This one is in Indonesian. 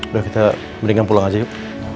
baik kita mendingan pulang aja yuk